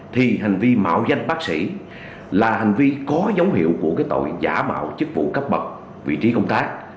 thì hành vi mạo danh bác sĩ là hành vi có dấu hiệu của cái tội giả mạo chức vụ cấp bậc vị trí công tác